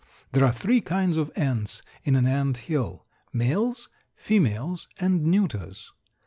There are three kinds of ants in an ant hill males, females, and neuters.